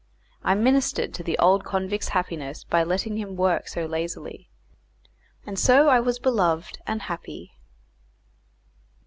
I ministered to the old convict's happiness by letting him work so lazily, and so I was beloved and happy.